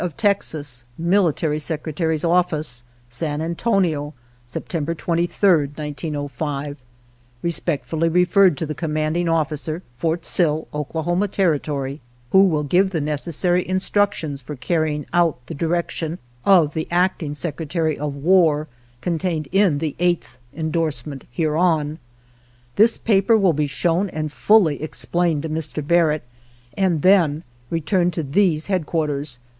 of Texas, Military Secretary's Office, San Antonio, September 23, 1905. Respectfully referred to the Commanding Officer, Fort Sill, Oklahoma Territory, who will give the necessary instructions for carrying out the direction of the Acting Secretary of War contained in the 8th endorsement hereon. six INTRODUCTORY This paper will be shown and fully explained to Mr. Barrett, and then returned to these headquarters.